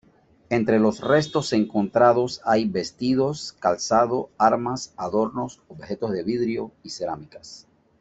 Entre los restos encontrados hay vestidos, calzado, armas, adornos, objetos de vidrio y cerámicas.